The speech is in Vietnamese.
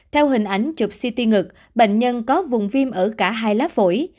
theo hình ảnh chụp ct ngực bệnh nhân có vùng viêm ở cả hai lá phổi